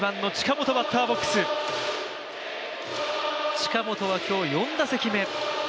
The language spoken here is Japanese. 近本は今日４打席目。